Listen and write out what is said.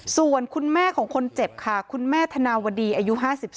ส่วนคุณแม่ของคนเจ็บค่ะคุณแม่ธนาวดีอายุ๕๒